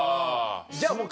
じゃあもう